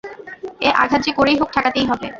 এ আঘাত যে করেই হোক ঠেকাতেই হবে।